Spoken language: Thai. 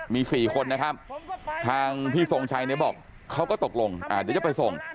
มี๔คนนะครับทางพี่ทรงชัยเนี่ยบอกเขาก็ตกลงเดี๋ยวจะไปส่ง